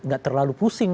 gak terlalu pusing